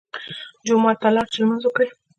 جومات ته لاړ چې لمونځ وکړي.